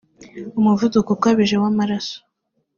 umuvuduko ukabije w’amaraso